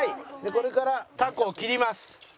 これからタコを切ります。